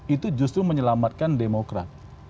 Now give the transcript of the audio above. itu justru menyelamatkan demokrat